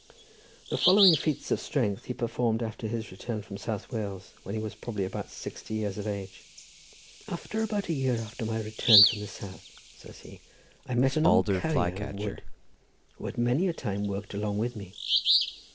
The following feats of strength he performed after his return from South Wales, when he was probably about sixty years of age:— "About a year after my return from the South," says he, "I met with an old carrier of wood, who had many a time worked along with me.